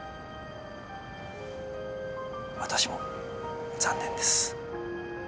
私も残念です。